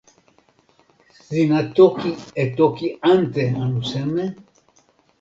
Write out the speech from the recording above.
sina toki e toki ante anu seme?